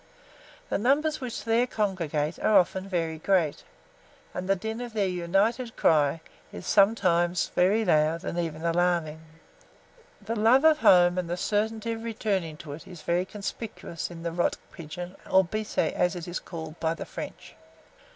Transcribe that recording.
The numbers which there congregate are often very great, and the din of their united cry is sometimes very loud and even alarming. The love of home and the certainty of returning to it is very conspicuous in the rock pigeon or biset, as it is called by the French.